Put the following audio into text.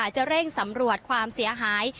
จะเร่งสำรวจความเสียหาย